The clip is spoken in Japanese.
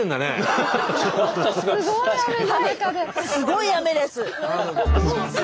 すごい雨です。